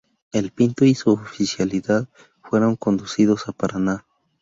El "Pinto" y su oficialidad fueron conducidos a Paraná.